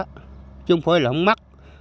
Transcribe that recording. chứ không phải là không mắc